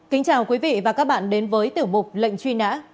kính chào quý vị và các bạn đến với tiểu mục lệnh truy nã